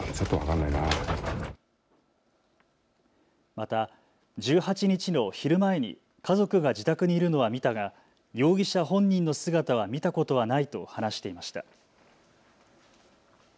また１８日の昼前に家族が自宅にいるのは見たが容疑者本人の姿は見たことはないと話していました。